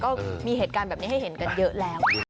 คือคาดแล้วไม่เห็นกันเยอะแล้วค่ะ